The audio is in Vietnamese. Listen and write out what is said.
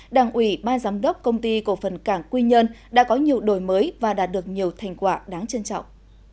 đảng ủy ba giám đốc công ty cổ phần cảng quy nhơn đã có nhiều đổi mới và đạt được nhiều thành quả đáng trân trọng